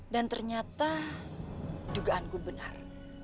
dan ternyata dugaanku benar